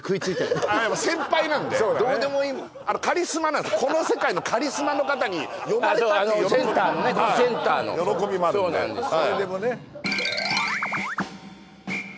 でも先輩なんでどうでもいいもんこの世界のカリスマの方に呼ばれたっていうセンターのねこのセンターの喜びもあるんでそうなんですよ